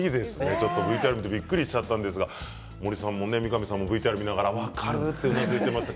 ちょっとＶＴＲ見てびっくりしちゃったんですが森さんも三上さんもＶＴＲ見ながら分かるとうなずいていました。